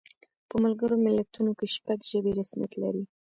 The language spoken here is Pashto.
په ملګرو ملتونو کې شپږ ژبې رسمیت لري.